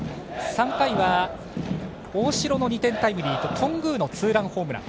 ３回は大城の２点タイムリーと頓宮のツーランホームラン。